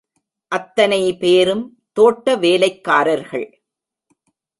அத்தனை பேரும் தோட்ட வேலைக்காரர்கள்.